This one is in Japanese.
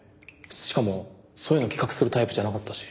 しかもそういうの企画するタイプじゃなかったし。